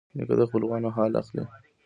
نیکه د خپلوانو حال اخلي.